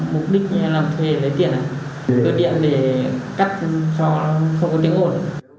mục đích là thuê lấy tiền cơ điểm để cắt cho không có tiếng ổn